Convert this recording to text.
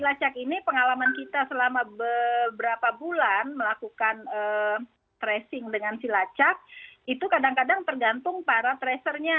lacak ini pengalaman kita selama beberapa bulan melakukan tracing dengan silacak itu kadang kadang tergantung para tracernya